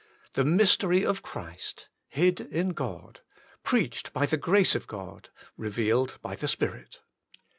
The mystery of Christ, hid in God, preached by the Grace of God, revealed by the Spirit.